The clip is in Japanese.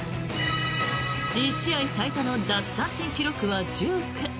１試合最多の奪三振記録は１９。